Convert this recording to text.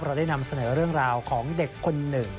เราได้นำเสนอเรื่องราวของเด็กคนหนึ่ง